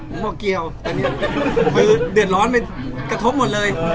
ผมบอกเกลียวคือเดือดร้อนไปกระทบหมดเลย